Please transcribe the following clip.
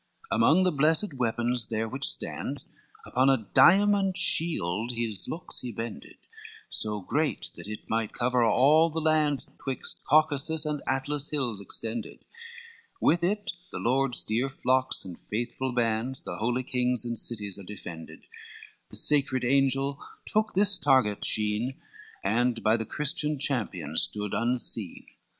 LXXXII Among the blessed weapons there which stands Upon a diamond shield his looks he bended, So great that it might cover all the lands, Twixt Caucasus and Atlas hills extended; With it the lord's dear flocks and faithful bands, The holy kings and cities are defended, The sacred angel took this target sheen, And by the Christian champion stood unseen.